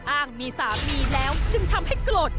อ้างมีสามีแล้วจึงทำให้โกรธ